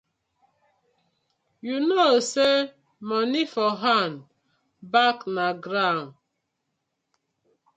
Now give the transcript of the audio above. Yu kow say moni for hand back na grawn.